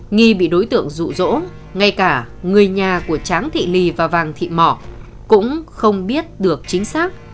nghi bị đối tượng rụ rỗ ngay cả người nhà của tráng thị lì và vàng thị mỏ cũng không biết được chính xác